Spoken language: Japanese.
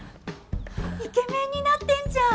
イケメンになってんじゃん！